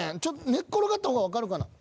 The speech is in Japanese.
寝っ転がった方が分かるかな